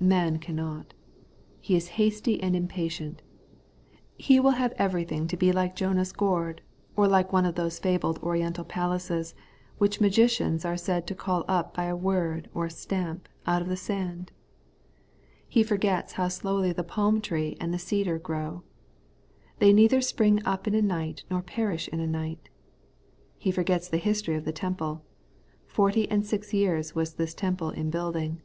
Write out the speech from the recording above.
Man cannot. He is hasty and impatient. He will have everything to be like Jonah's gourd, or like one of those fabled oriental palaces, which magicians are said to call up by a word or a stamp, out of the sand. He forgets how slowly the palm The Holy Life of the Justified, 193 tree and the cedar grow. They neither spring up in a night nor perish in a night. He forgets the history of the temple :' Forty and six years was this temple in building.'